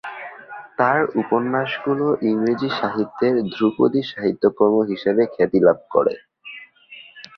তার উপন্যাসগুলো ইংরেজি সাহিত্যের ধ্রুপদী সাহিত্যকর্ম হিসেবে খ্যাতি লাভ করে।